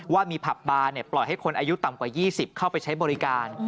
ว่ามีผับบาร์ปล่อยให้คนอายุต่ำกว่า๒๐เข้าไปใช้บริการ